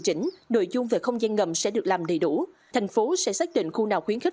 chỉnh nội dung về không gian ngầm sẽ được làm đầy đủ thành phố sẽ xác định khu nào khuyến khích